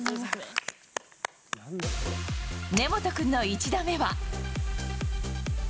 根本君の１打目は。